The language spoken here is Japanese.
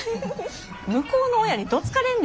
向こうの親にどつかれんで。